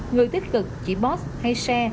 người tích cực chỉ post hay share